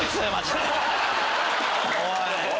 おい！